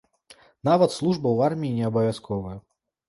Нават служба ў арміі не абавязковая.